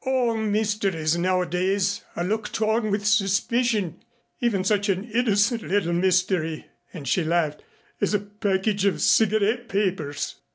All mysteries nowadays are looked on with suspicion. Even such an innocent little mystery" and she laughed "as a package of cigarette papers."